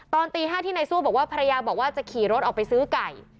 ตอนตี๕ที่นายสู้บอกว่าภรรยาบอกว่าจะขี่รถออกไปซื้อไก่